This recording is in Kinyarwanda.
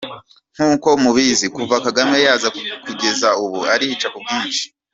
Nk’uko mubizi, kuva Kagame yaza kugeza n’ubu, arica ku bwinshi !!!